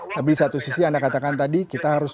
tapi di satu sisi anda katakan tadi kita harus